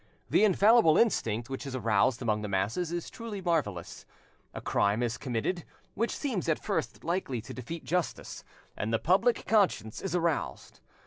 The infallible instinct which is aroused among the masses is truly marvellous; a great crime is committed, which seems at first likely to defeat justice, and the public conscience is aroused.